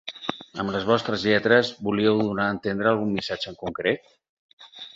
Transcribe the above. Amb les vostres lletres volíeu donar a entendre algun missatge en concret?